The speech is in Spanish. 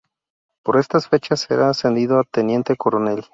Por estas fechas, será ascendido a teniente coronel.